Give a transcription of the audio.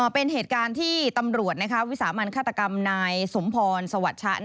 เป็นเหตุการณ์ที่ตำรวจวิสามันฆาตกรรมนายสมพรสวัสชะ